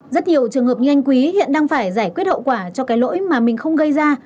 rất nhiều trường hợp như anh quý hiện đang phải giải quyết hậu quả cho cái lỗi mà mình không gây ra